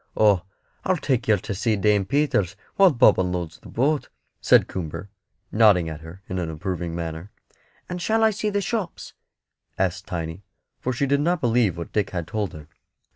"Oh, I'll take yer to see Dame Peters while Bob unloads the boat," said Coomber, nodding at her in an approving manner. "And shall I see the shops?" asked Tiny; for she did not believe what Dick had told her.